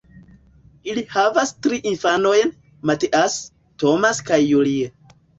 Ili havas tri infanojn: Matthias, Thomas kaj Julie.